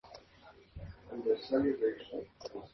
La utilización del atributo invoca el constructor de la clase.